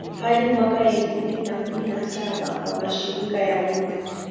hadi mwaka elfu mbili na kumi na Saba kwa mashirika ya umma